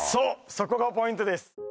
そこがポイントです